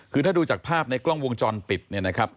คือถ้าดูจากภาพในกล้องวงจรปิดเนี่ยนะครับ